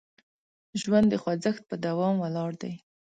ژوند د خوځښت په دوام ولاړ دی.